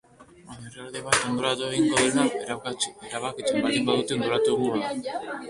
Baina herrialde bat hondoratu egingo dela erabakitzen baldin badute, hondoratu egingo da.